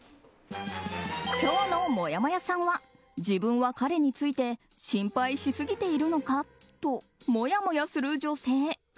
今日のもやもやさんは自分は彼について心配しすぎているのかともやもやする女性。